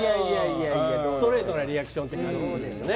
ストレートなリアクションって感じがするよね。